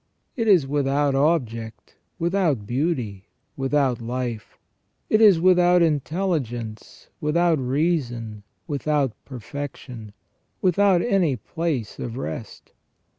It is without object, without beauty, without hfe; it is without intelligence, without reason, without perfection, without any place of rest.